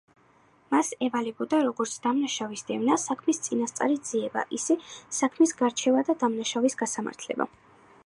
მას ევალებოდა როგორც დამნაშავის დევნა, საქმის წინასწარი ძიება, ისე საქმის გარჩევა და დამნაშავის გასამართლება.